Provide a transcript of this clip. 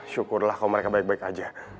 syukurlah kalau mereka baik baik aja